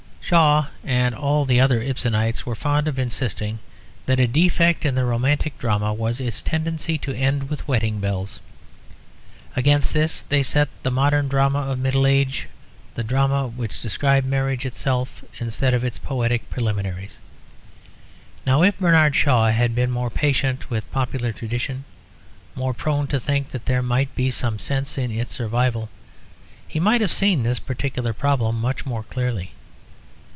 Shaw and all the other Ibsenites were fond of insisting that a defect in the romantic drama was its tendency to end with wedding bells. Against this they set the modern drama of middle age, the drama which described marriage itself instead of its poetic preliminaries. Now if Bernard Shaw had been more patient with popular tradition, more prone to think that there might be some sense in its survival, he might have seen this particular problem much more clearly.